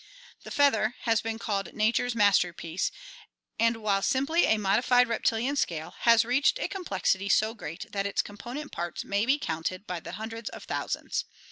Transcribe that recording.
The feather (see Fig. 78) has been called "nature's mastelpiece,, and while simply a modified reptilian scale, has reached a com plexity so great that its component parts may be counted by the hundreds of thousands.